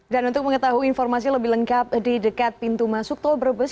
dan untuk mengetahui informasi lebih lengkap di dekat pintu masuk tol berbes